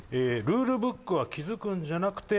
「ルールブックは築くんじゃなくて」